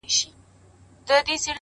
• خریدار یې همېشه تر حساب تیر وي ,